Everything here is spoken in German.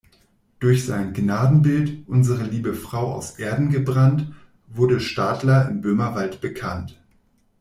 Durch sein Gnadenbild „Unsere liebe Frau aus Erden gebrannt“ wurde Stadlern im Böhmerwald bekannt.